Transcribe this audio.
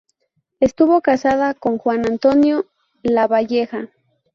Estuvo casada con Juan Antonio Lavalleja.